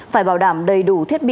phải bảo đảm đầy đủ thiết bị